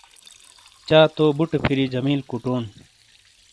چا تو بُوٹے فِیری جَمیل کُوٹون۔